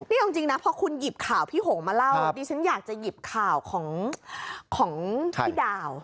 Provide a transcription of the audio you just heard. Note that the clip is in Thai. นี่เอาจริงนะพอคุณหยิบข่าวพี่หงมาเล่าดิฉันอยากจะหยิบข่าวของพี่ดาว